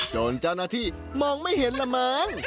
จนเจ้าหน้าที่มองไม่เห็นละมั้ง